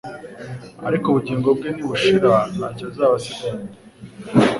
ariko ubugingo bwe nibushira ntacyo azaba asigaranye.